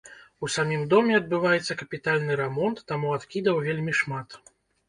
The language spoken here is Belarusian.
У самім доме адбываецца капітальны рамонт, таму адкідаў вельмі шмат.